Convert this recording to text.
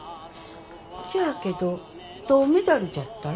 じゃあけど銅メダルじゃったら？